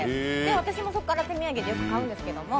私もそこから手土産でよく買うんですけど